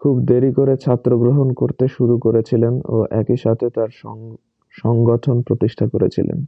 খুব দেরি করে ছাত্র গ্রহণ করতে শুরু করেছিলেন ও একই সাথে তাঁর সংগঠন প্রতিষ্ঠা করেছিলেন।